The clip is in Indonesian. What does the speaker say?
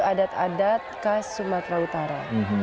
adat adat khas sumatera utara